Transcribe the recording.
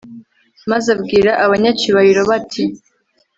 maze abwira abanyacyubahiro be, ati